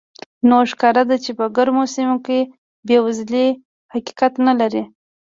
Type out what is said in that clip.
نو ښکاره ده چې په ګرمو سیمو کې بېوزلي حقیقت نه لري.